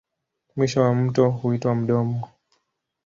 Mwisho wa mto huitwa mdomo.